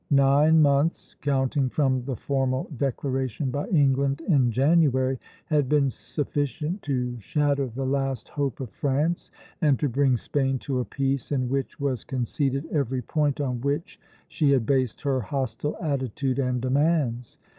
Nine months, counting from the formal declaration by England in January, had been sufficient to shatter the last hope of France, and to bring Spain to a peace in which was conceded every point on which she had based her hostile attitude and demands.